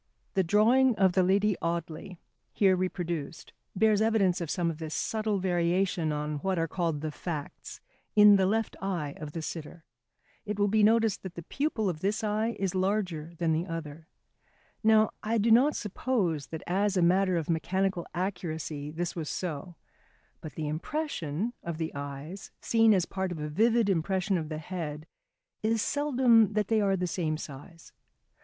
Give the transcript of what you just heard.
The drawing of the Lady Audley, here reproduced, bears evidence of some of this subtle variation on what are called the facts, in the left eye of the sitter. It will be noticed that the pupil of this eye is larger than the other. Now I do not suppose that as a matter of mechanical accuracy this was so, but the impression of the eyes seen as part of a vivid impression of the head is seldom that they are the same size.